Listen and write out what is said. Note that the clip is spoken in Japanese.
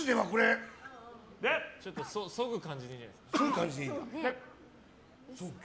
そぐ感じでいいんじゃないですか。